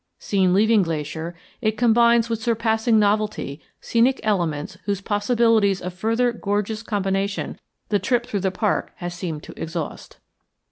Seen leaving Glacier, it combines with surpassing novelty scenic elements whose possibilities of further gorgeous combination the trip through the park has seemed to exhaust.